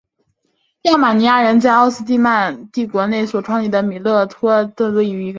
亚美尼亚人在奥斯曼帝国内所创立的米利特多于一个。